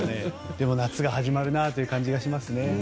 でも、夏が始まるなという感じがしますね。